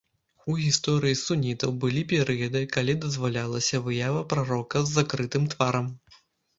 У гісторыі сунітаў былі перыяды, калі дазвалялася выява прарока з закрытым тварам.